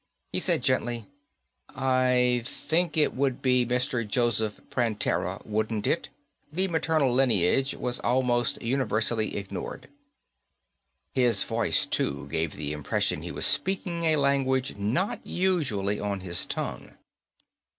He said gently, "I think it would be Mr. Joseph Prantera, wouldn't it? The maternal linage was almost universally ignored." His voice too gave the impression he was speaking a language not usually on his tongue.